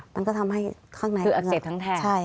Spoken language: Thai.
มันก็ทำให้ข้างในคืออักเสบทั้งแทง